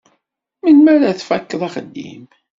Melmi ara tfakeḍ axeddim?